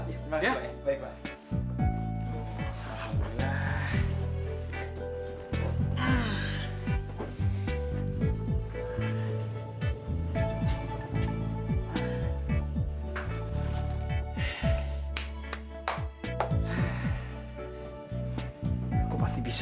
terima kasih pak baik pak